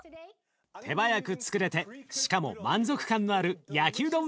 手早くつくれてしかも満足感のある焼きうどん